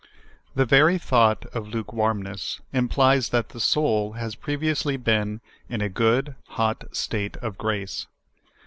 THE very thought of lukewarmiiess implies that the soul has previously been iu a good, hot state of grace.